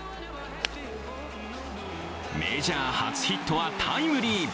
メジャー初ヒットはタイムリー。